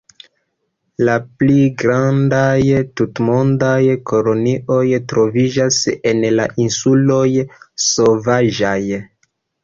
La pli grandaj tutmondaj kolonioj troviĝas en la insuloj Sovaĝaj.